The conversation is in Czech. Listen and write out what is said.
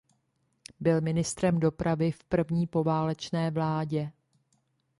Byl ministrem dopravy v první poválečné vládě.